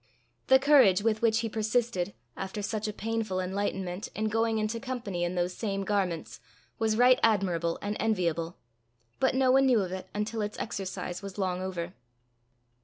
The courage with which he persisted, after such a painful enlightenment, in going into company in those same garments, was right admirable and enviable; but no one knew of it until its exercise was long over.